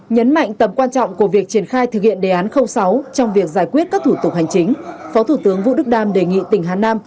nhấn mạnh tầm quan trọng của việc triển khai thực hiện đề án sáu trong việc giải quyết các thủ tục hành chính phó thủ tướng vũ đức đam đề nghị tỉnh hà nam